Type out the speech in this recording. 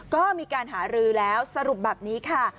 ก็มีการหารือแล้วสรุปแบบนี้ค่ะ